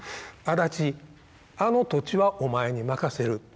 「安達あの土地はお前に任せる。